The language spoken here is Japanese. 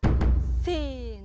せの。